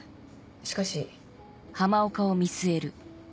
しかし。